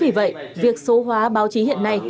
vì vậy việc số hóa báo chí hiện nay